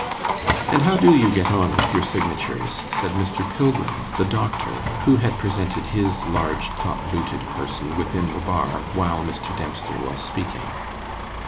'And how do you get on with your signatures?' said Mr. Pilgrim, the doctor, who had presented his large top booted person within the bar while Mr. Dempster was speaking.